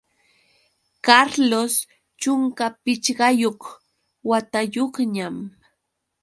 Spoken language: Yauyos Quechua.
Carlos chunka pichqayuq watayuqñam.